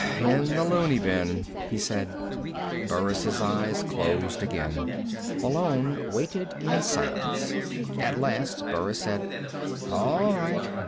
"In the looney bin," he said. Burris' eyes closed again. Malone waited in silence. At last Burris said: "All right.